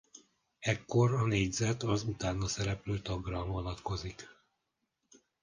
Ekkor a négyzet az utána szereplő tagra vonatkozik.